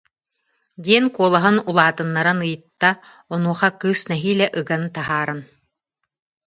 диэн куолаһын улаатыннаран ыйытта, онуоха кыыс нэһиилэ ыган таһааран: